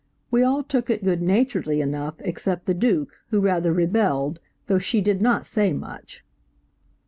We all took it good naturedly enough except the Duke who rather rebelled, though she did not say much.